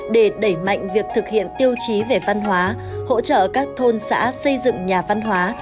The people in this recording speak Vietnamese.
để đẩy mạnh việc thực hiện tiêu chí về văn hóa hỗ trợ các thôn xã xây dựng nhà văn hóa